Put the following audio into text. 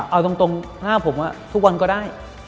เอาตรงหน้าผมทุกวันก็ได้